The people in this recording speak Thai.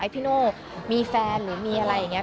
พี่โน่มีแฟนหรือมีอะไรอย่างนี้